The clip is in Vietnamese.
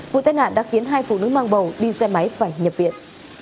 vụ tai nạn đã khiến hai phụ nữ mang bầu đi xe máy phải nhập viện